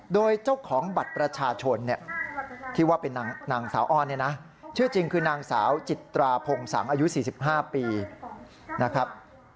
โดยเจ้าของบัตรประชาชนเนี่ยที่ว่าเป็นนางสาวอ้อนเนี่ยนะชื่อจริงคือนางสาวจิตราพงศังอายุ๔๕ปีนะครับ